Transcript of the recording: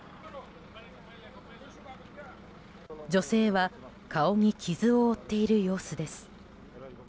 女性は顔に傷を負っている様子です。